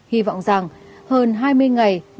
hy vọng rằng hơn hai mươi ngày ba cùng ở địa phương